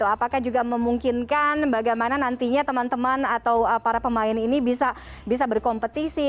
apakah juga memungkinkan bagaimana nantinya teman teman atau para pemain ini bisa berkompetisi